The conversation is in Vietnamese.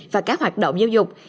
và các hoạt động giáo dục